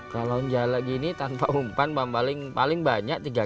kalau jalan begini tanpa umpan paling banyak tiga kilo